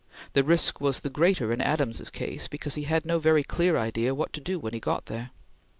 The risk was the greater in Adams's case, because he had no very clear idea what to do when he got there.